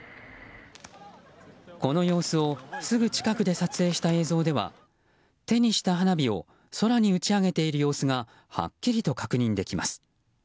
この様子をすぐ近くで撮影した映像では手にした花火を空に打ち上げている様子がはっきりと確認できます。